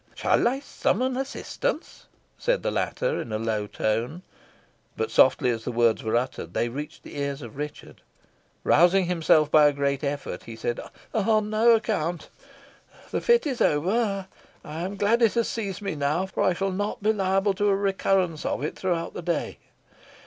"Shall I summon assistance?" said the latter in a low tone. But, softly as the words were uttered, they reached the ears of Richard. Rousing himself by a great effort, he said "On no account the fit is over. I am glad it has seized me now, for I shall not be liable to a recurrence of it throughout the day.